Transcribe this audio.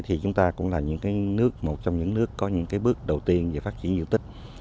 thì chúng ta cũng là một trong những nước có những bước đầu tiên về phát triển diện tích